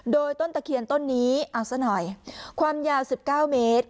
โดยต้นตะเคียนต้นนี้เอาซะหน่อยความยาว๑๙เมตร